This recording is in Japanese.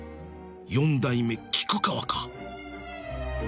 四代目菊川か